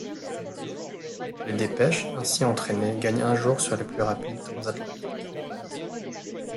Les dépêches, ainsi entraînées, gagnent un jour sur les plus rapides transatlantiques.